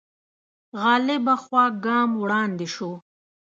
غالبه خوا ګام وړاندې شو